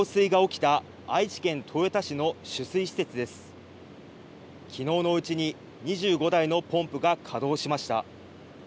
きのうのうちに２５台のポンプが稼働しました。